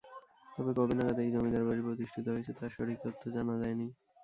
তবে কবে নাগাদ এই জমিদার বাড়ি প্রতিষ্ঠিত হয়েছে তার সঠিক তথ্য জানা যায়নি।